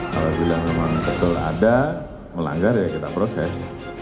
apabila memang betul ada melanggar ya kita proses